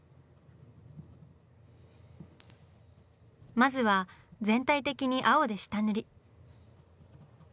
まずは全体的に青で下塗り。